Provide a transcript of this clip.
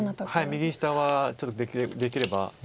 右下はちょっとできれば。